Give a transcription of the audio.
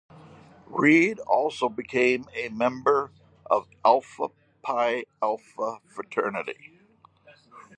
Reid also became a member of Alpha Phi Alpha fraternity.